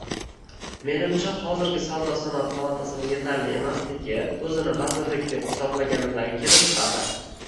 Menimcha, hozirgi Savdo -sanoat palatasining etarli emasligi, o'zini "vazirlik" deb hisoblaganidan kelib chiqadi